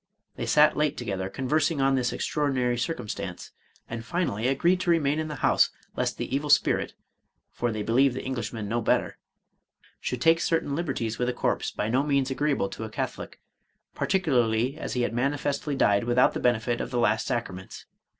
They sat late together, conversing on this extraordinary circumstance, and finally agreed to remain in the house, lest the evil spirit (for they believed the Eng lishman no better) should take certain liberties with the corse by no means agreeable to a Catholic, particularly as he had manifestly died without the benefit of the last sacra ments.